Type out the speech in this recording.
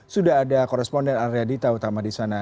sudah ada koresponden arya dita utama di sana